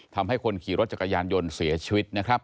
ทำให้คนขี่รถจักรยานยนเสียชีวิต